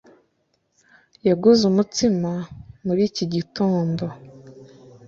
Yaguze umutsima muri iki gitondo.